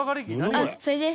あっそれです。